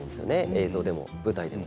映像でも舞台でも。